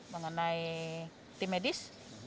mengenai tim medis